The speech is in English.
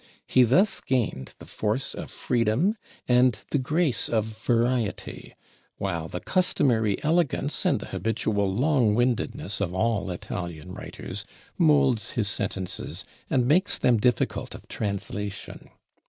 He thus gained the force of freedom and the grace of variety, while the customary elegance and the habitual long windedness of all Italian writers molds his sentences and makes them difficult of translation.